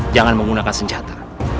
jangan menggunakan senjata